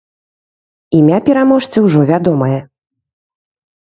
Імя пераможцы ўжо вядомае!